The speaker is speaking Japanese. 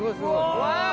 うわ！